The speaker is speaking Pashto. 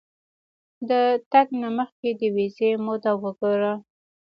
د تګ نه مخکې د ویزې موده وګوره.